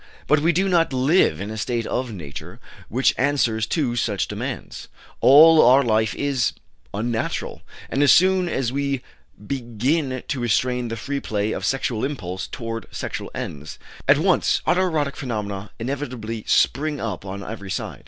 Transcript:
But we do not live in a state of Nature which answers to such demands; all our life is "unnatural." And as soon as we begin to restrain the free play of sexual impulse toward sexual ends, at once auto erotic phenomena inevitably spring up on every side.